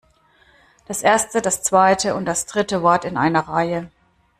Das erste, das zweite und das dritte Wort in einer Reihe.